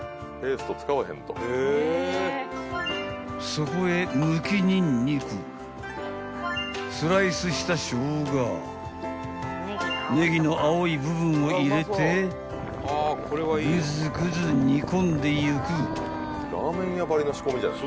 ［そこへむきニンニクスライスしたショウガネギの青い部分を入れてぐつぐつ煮込んでいく］